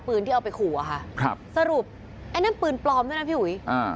ที่เอาไปขู่อะค่ะครับสรุปไอ้นั่นปืนปลอมด้วยนะพี่อุ๋ยอ่า